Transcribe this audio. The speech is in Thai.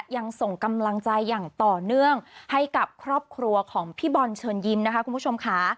ยังส่งกำลังใจอย่างต่อเนื่องให้กับครอบครัวของพี่บอลเชิญยิ้มนะคะคุณผู้ชมค่ะ